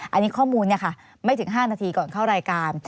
อันนี้ข้อมูลไม่ถึง๕นาทีก่อนเข้ารายการ